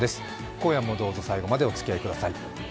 今夜もどうぞ最後までおつきあいください。